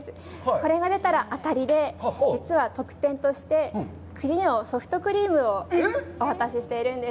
これが出たら当たりで、実は、特典として、栗のソフトクリームをお渡ししているんです。